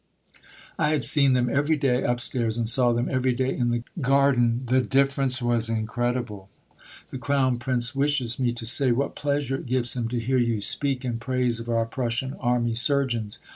I had seen them every day upstairs and saw them every day in the garden; the difference was incredible.... The Crown Prince wishes me to say what pleasure it gives him to hear you speak in praise of our Prussian army surgeons....